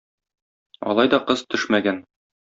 Алай да кыз төшмәгән.